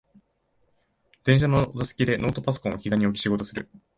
電車の座席でノートパソコンをひざに置き仕事をする